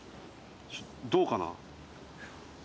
どうかな？